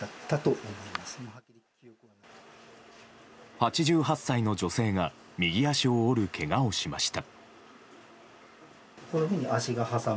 ８８歳の女性が右足を折るけがをしました。